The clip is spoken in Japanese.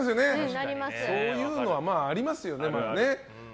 そういうのはありますよね。